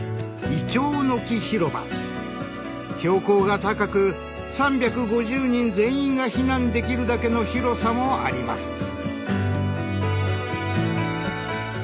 標高が高く３５０人全員が避難できるだけの広さもあります。